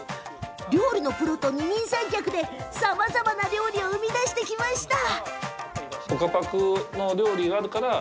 料理のプロと二人三脚でさまざまな料理を生み出してきました。